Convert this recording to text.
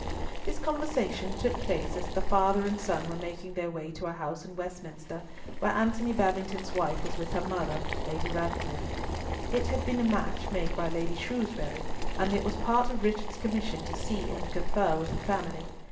This conversation took place as the father and son were making their way to a house in Westminster, where Antony Babington's wife was with her mother, Lady Ratcliffe. It had been a match made by Lady Shrewsbury, and it was part of Richard's commission to see and confer with the family.